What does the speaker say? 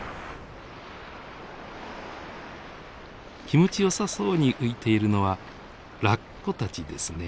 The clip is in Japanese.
気持ちよさそうに浮いているのはラッコたちですね。